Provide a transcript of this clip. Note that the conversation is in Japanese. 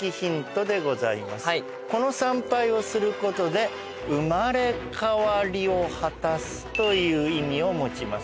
この参拝をすることで生まれ変わりを果たすという意味を持ちます。